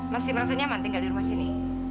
masih merasa nyaman tinggal di rumah sini